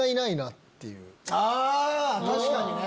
あ確かにね。